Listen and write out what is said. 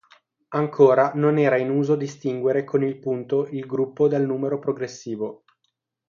Ancora non era in uso distinguere con il punto il gruppo dal numero progressivo.